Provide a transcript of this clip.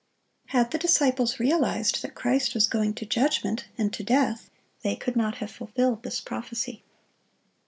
(662) Had the disciples realized that Christ was going to judgment and to death, they could not have fulfilled this prophecy.